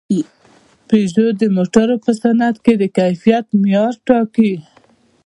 پيژو د موټرو په صنعت کې د کیفیت معیار ټاکي.